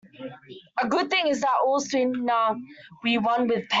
A good thing is all the sweeter when won with pain.